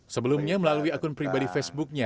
sebelumnya melalui akun pribadi facebooknya